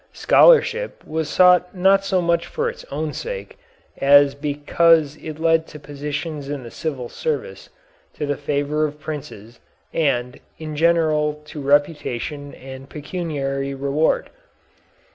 Scholarship was sought not so much for its own sake, as because it led to positions in the civil service, to the favor of princes, and, in general, to reputation and pecuniary reward.